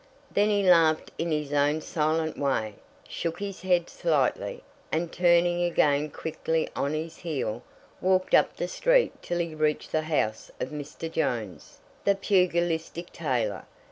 Then he laughed in his own silent way, shook his head slightly, and turning again quickly on his heel, walked up the street till he reached the house of Mr. Jones, the pugilistic tailor.